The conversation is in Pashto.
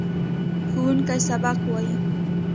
ښوونکی سبق وايي.